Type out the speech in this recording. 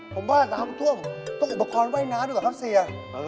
ผมว่าน้ำท่วมต้องอุปกรณ์ว่ายน้ำดีกว่าครับเสีย